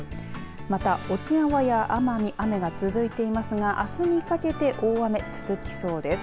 また、沖縄や奄美雨が続いていますがあすにかけて大雨続きそうです。